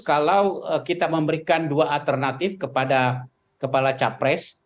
kalau kita memberikan dua alternatif kepada kepala capres